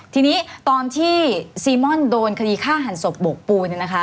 ทีนี้ตอนที่ซีม่อนโดนคดีฆ่าหันศพบกปูเนี่ยนะคะ